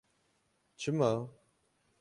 Çima?